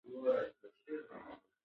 او تر تاسو ډېره درنه ده